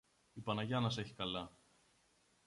Η Παναγιά να σ' έχει καλά